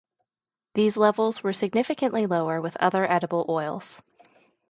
These levels were significantly lower with other edible oils.